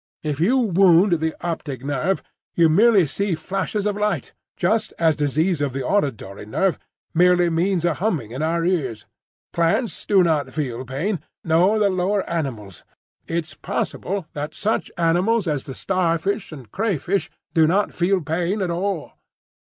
If you wound the optic nerve, you merely see flashes of light,—just as disease of the auditory nerve merely means a humming in our ears. Plants do not feel pain, nor the lower animals; it's possible that such animals as the starfish and crayfish do not feel pain at all.